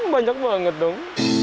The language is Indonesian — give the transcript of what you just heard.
banyak banget dong